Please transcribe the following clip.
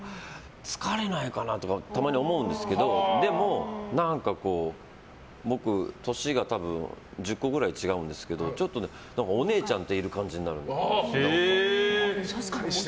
疲れないかなとかたまに思うんですけどでも、何か僕年が多分１０個ぐらい違うんですけどちょっとお姉ちゃんといる感じになるんですよ。